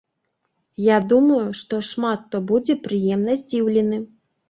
Я думаю, што шмат хто будзе прыемна здзіўлены.